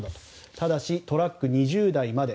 ただし、トラック２０台まで。